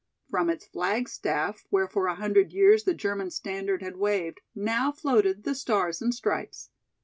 From its flagstaff, where for a hundred years the German standard had waved, now floated the stars and stripes.